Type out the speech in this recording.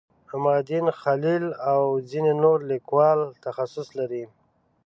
عمادالدین خلیل او ځینې نور لیکوال تخصص لري.